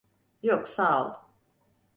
Yok, sağol.